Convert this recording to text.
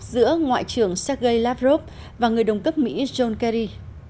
giữa ngoại trưởng sergei lavrov và người đồng cấp mỹ john kerry